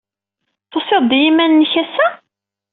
Tusid-d i yiman-nnek, ass-a?